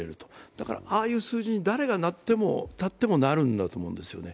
だからああいう数字に誰が立ってもなるんだと思うんですよね。